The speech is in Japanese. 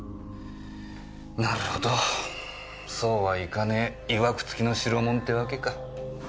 なるほどそうはいかねえいわく付きの代物ってわけか。